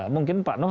mungkin pak nof